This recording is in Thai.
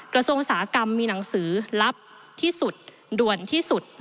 กระทรวงอุตสาหกรรมมีหนังสือลับที่สุดด่วนที่สุด